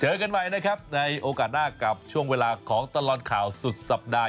กันใหม่นะครับในโอกาสหน้ากับช่วงเวลาของตลอดข่าวสุดสัปดาห์